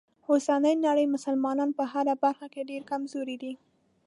اوسنۍ نړۍ مسلمانان په هره برخه کې ډیره کمزوری دي.